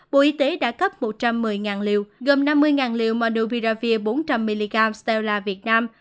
bộ y tế đã cấp một trăm một mươi liều gồm năm mươi liều mandoviravir bốn trăm linh mg steella việt nam